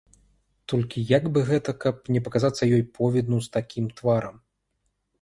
Толькі як бы гэта, каб не паказацца ёй повідну з такім тварам?